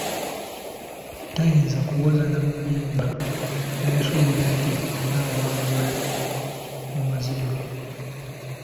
Toyinza kuwoza n’amulimba n’osuubira nti onaawangula mu mazima.